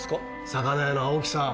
魚屋の青木さん。